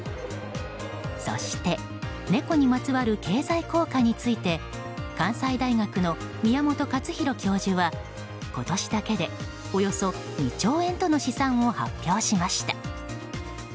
そして、猫にまつわる経済効果について関西大学の宮本勝浩教授は今年だけでおよそ２兆円との試算を発表しました。